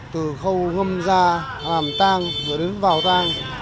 từ khâu ngâm ra hàm tang đến vào tang